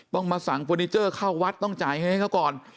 ต้องมาสั่งเฟอร์นิเจอร์เข้าวัดต้องจ่ายให้เขาก่อน